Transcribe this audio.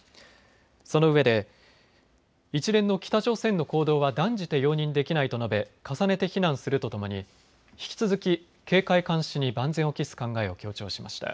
そのうえで一連の北朝鮮の行動は断じて容認できないと述べ重ねて非難するとともに引き続き警戒監視に万全を期す考えを強調しました。